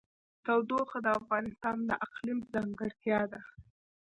تودوخه د افغانستان د اقلیم ځانګړتیا ده.